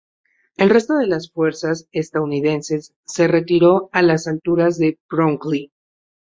El resto de las fuerzas estadounidenses se retiró a las alturas de Brooklyn.